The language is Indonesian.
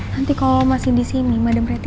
nanti kalau lo masih di sini madam reti